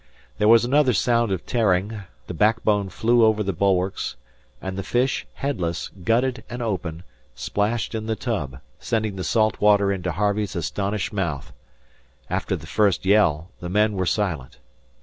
There was another sound of tearing, the backbone flew over the bulwarks, and the fish, headless, gutted, and open, splashed in the tub, sending the salt water into Harvey's astonished mouth. After the first yell, the men were silent.